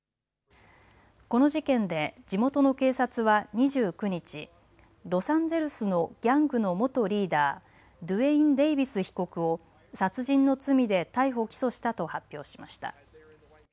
この事件で地元の警察は２９日、ロサンゼルスのギャングの元リーダー、ドゥエイン・デイビス被告を殺人の罪で逮捕・起訴したと発表しました。